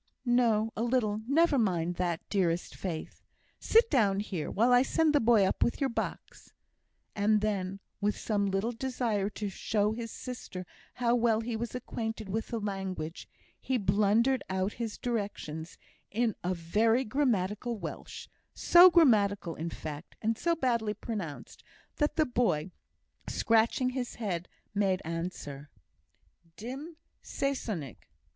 "No a little never mind that, dearest Faith. Sit down here, while I send the boy up with your box." And then, with some little desire to show his sister how well he was acquainted with the language, he blundered out his directions in very grammatical Welsh; so grammatical, in fact, and so badly pronounced, that the boy, scratching his head, made answer, "Dim Saesoneg."